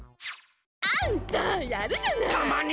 あんたやるじゃない！